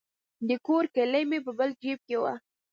د کور کیلي مې په بل جیب کې وه.